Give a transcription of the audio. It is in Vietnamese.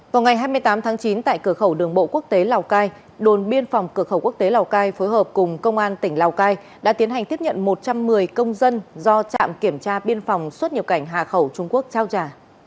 vào ngày hai mươi tám tháng chín tại cửa khẩu đường bộ quốc tế lào cai đồn biên phòng cửa khẩu quốc tế lào cai phối hợp cùng công an tỉnh lào cai đã tiến hành tiếp nhận một trăm một mươi công dân do trạm kiểm tra biên phòng xuất nhập cảnh hà khẩu trung quốc trao trả